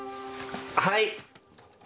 はい。